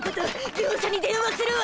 業者に電話するわ。